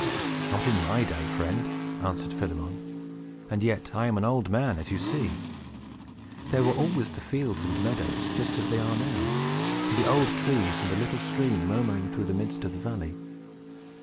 "Not in my day, friend," answered Philemon; "and yet I am an old man, as you see. There were always the fields and meadows, just as they are now, and the old trees, and the little stream murmuring through the midst of the valley.